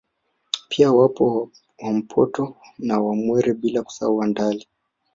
Pia wapo Wampoto na Wamwera bila kusahau Wandali